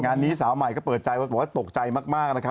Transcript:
งานนี้สาวใหม่ก็เปิดใจว่าตกใจมาก